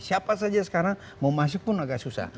siapa saja sekarang mau masuk pun agak susah